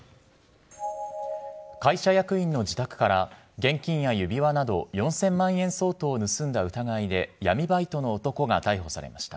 会社役員の自宅から現金や指輪など、４０００万円相当を盗んだ疑いで闇バイトの男が逮捕されました。